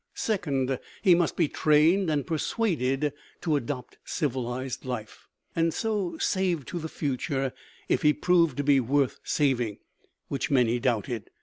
Second, he must be trained and persuaded to adopt civilized life, and so saved to the future if he proved to be worth saving, which many doubted.